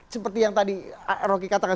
seperti yang tadi rocky katakan